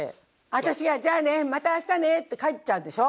私が「じゃあねまた明日ね」って帰っちゃうでしょ。